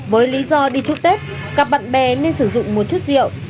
với lý do đi thuốc tết các bạn bè nên sử dụng một chút rượu